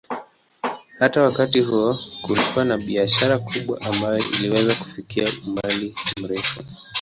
Hata wakati huo kulikuwa na biashara kubwa ambayo iliweza kufikia umbali mrefu.